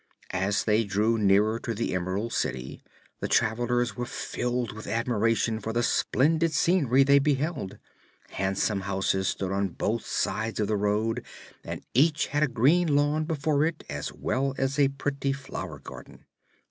As they drew nearer to the Emerald City the travelers were filled with admiration for the splendid scenery they beheld. Handsome houses stood on both sides of the road and each had a green lawn before it as well as a pretty flower garden.